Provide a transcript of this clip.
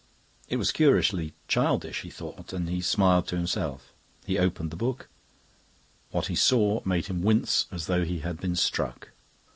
It was curiously childish, he thought, and he smiled to himself. He opened the book. What he saw made him wince as though he had been struck.